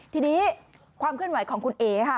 ทีนี้ความเคลื่อนไหวของคุณเอ๋ค่ะ